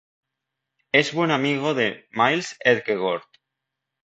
Es buen amigo de Miles Edgeworth.